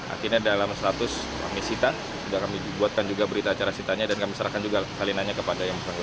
akhirnya dalam status kami sita sudah kami buatkan juga berita acara sitanya dan kami serahkan juga salinannya kepada yang bersangkutan